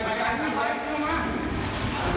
ทั้งหน้าคอมแฮว